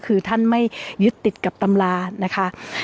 คือท่านไม่ยึดติดกับตำรานะคะ